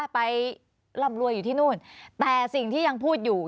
ไปร่ำรวยอยู่ที่นู่นแต่สิ่งที่ยังพูดอยู่